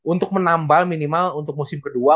untuk menambal minimal untuk musim kedua